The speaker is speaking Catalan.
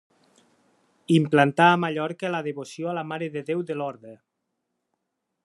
Implantà a Mallorca la devoció a la Mare de Déu de Lorda.